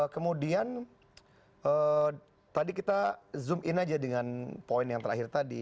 kemudian tadi kita zoom in aja dengan poin yang terakhir tadi